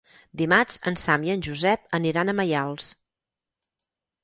Dimarts en Sam i en Josep aniran a Maials.